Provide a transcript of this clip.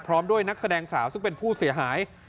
พร้อมด้วยนักแสดงสาวซึ่งเป็นผู้เสียหาย